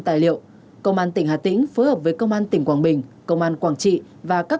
tài liệu công an tỉnh hà tĩnh phối hợp với công an tỉnh quảng bình công an quảng trị và các